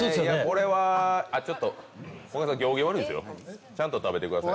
こがけんさん、行儀悪いですよちゃんと食べてください。